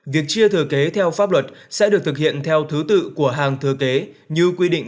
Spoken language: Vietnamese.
việc chia thừa kế theo pháp luật sẽ được thực hiện theo thứ tự của hàng thừa kế như quy định